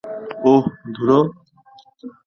ওহ, ধুরো।